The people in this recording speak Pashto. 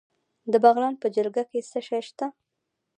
د بغلان په جلګه کې څه شی شته؟